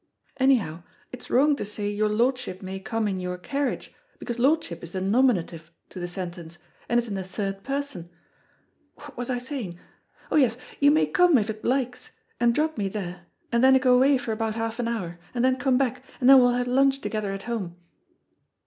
Anyhow, it's wrong to say your lordship may come in your carriage, because lordship is the nominative to the sentence, and is in the third person what was I saying? Oh, yes, you may come if it likes, and drop me there, and then go away for about half an hour, and then come back, and then we'll have lunch together at home."